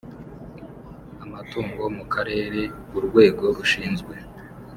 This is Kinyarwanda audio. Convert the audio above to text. amatugo mu Karere urwego rushinzwe